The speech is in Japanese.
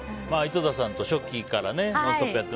井戸田さんと初期から「ノンストップ！」